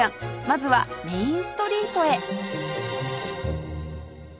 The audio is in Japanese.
まずはメインストリートへ